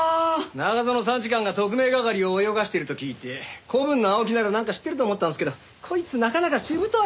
中園参事官が特命係を泳がしてると聞いて子分の青木ならなんか知ってると思ったんですけどこいつなかなかしぶとい。